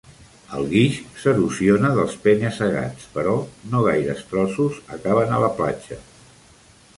El guix s'erosiona dels penya-segats, però no gaires trossos acaben a la platja.